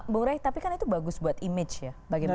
bung rey tapi kan itu bagus buat image ya bagi mereka